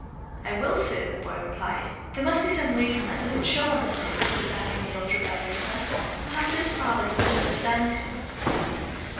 "I will, sir," the boy replied. "There must be some reason that doesn't show on the surface for Danny O'Neil's rebelliousness. Perhaps his father doesn't understand him."